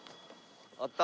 あった！